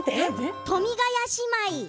富ヶ谷姉妹。